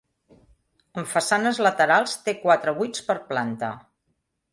En façanes laterals té quatre buits per planta.